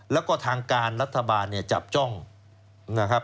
แล้วก็ทางการรัฐบาลเนี่ยจับจ้องนะครับ